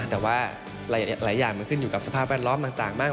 แต่ว่าหลายอย่างมันขึ้นอยู่กับสภาพแวดล้อมต่างบ้าง